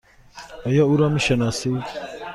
آیا او را می شناسی؟